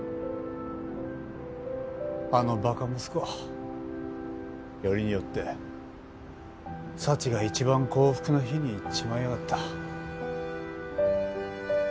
あのバカ息子よりによって幸が一番幸福な日にいっちまいやがった。